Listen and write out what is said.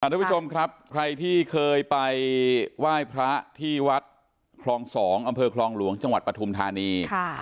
ทุกผู้ชมครับใครที่เคยไปไหว้พระที่วัดคลอง๒อำเภอคลองหลวงจังหวัดปฐุมธานี